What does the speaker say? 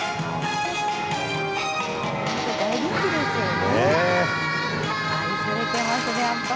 大人気ですよね。